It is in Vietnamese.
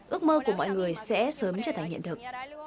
ước mơ của mọi người sẽ sớm trở thành hiện thực